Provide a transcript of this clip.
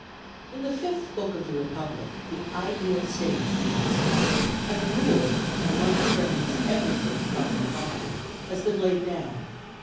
In the fifth book of the Republic the ideal State is being discussed, and the rule Koivh. rh t&v <\>L\wv ('among friends everything is common property ') has been laid down.